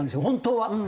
本当は。